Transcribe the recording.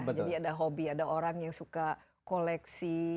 jadi ada hobi ada orang yang suka koleksi